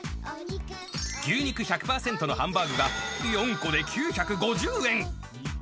牛肉１００％のハンバーグが、４個で９５０円。